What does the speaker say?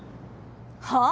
はあ？